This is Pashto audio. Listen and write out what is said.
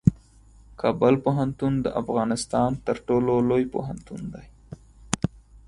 کابل پوهنتون د افغانستان تر ټولو لوی پوهنتون دی.